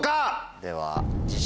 ⁉では。